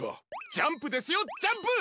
ジャンプですよジャンプ！